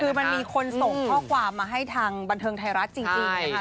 คือมันมีคนส่งข้อความมาให้ทางบันเทิงไทยรัฐจริงนะคะ